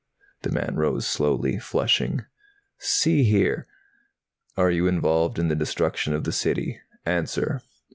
The man rose slowly, flushing. "See here " "Are you involved in the destruction of the city? Answer!"